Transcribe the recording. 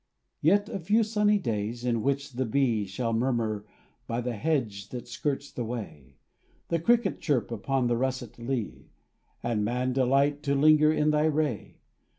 Yet a few sunny days, in which the bee Shall murmur by the hedge that skirts the way, The cricket chirp upon the russet lea, And man delight to linger in thy ray.